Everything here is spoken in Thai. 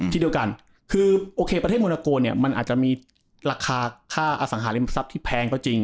ที่เดียวกันคือโอเคประเทศโมนาโกเนี่ยมันอาจจะมีราคาค่าอสังหาริมทรัพย์ที่แพงก็จริง